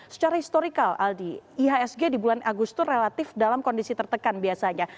secara historikal aldi ihsg di bulan agustus relatif dalam kondisi tertekan biasanya